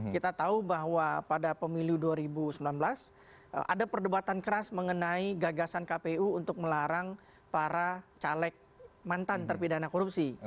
kita tahu bahwa pada pemilu dua ribu sembilan belas ada perdebatan keras mengenai gagasan kpu untuk melarang para caleg mantan terpidana korupsi